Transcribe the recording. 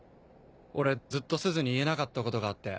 俺ずっとすずに言えなかったことがあって。